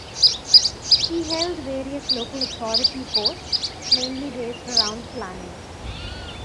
He held various local authority posts mainly based around planning.